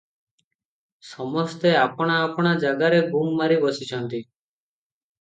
ସମସ୍ତେ ଆପଣା ଆପଣା ଜାଗାରେ ଗୁମ୍ ମାରି ବସିଛନ୍ତି ।